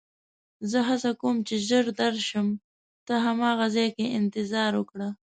زه هڅه کوم چې ژر درشم، ته هماغه ځای کې انتظار وکړه.